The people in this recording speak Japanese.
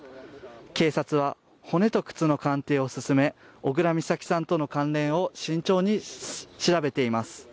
警察は骨と骨の鑑定を進め小倉美咲さんとの関連を慎重に調べています